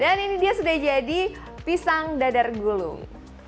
dan ini dia sudah jadi pisang dadar gulung